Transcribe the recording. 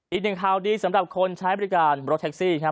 อีกหนึ่งข่าวดีสำหรับคนใช้บริการรถแท็กซี่ครับ